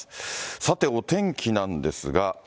さて、お天気なんですが。